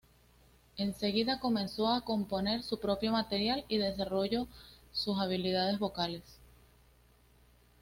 En seguida, comenzó a componer su propio material y desarrollo sus habilidades vocales.